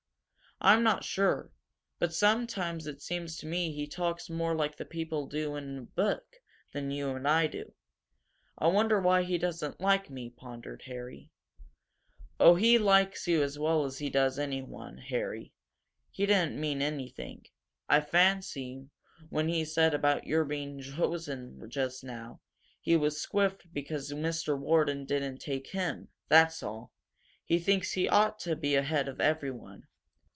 "I'm not sure. But sometimes it seems to me he talks more like the people do in a book than you and I do. I wonder why he doesn't like me?" pondered Harry. "Oh, he likes you as well as he does anyone, Harry. He didn't mean anything, I fancy, when he said that about your being chosen just now. He was squiffed because Mr. Wharton didn't take him, that's all. He thinks he ought to be ahead of everyone."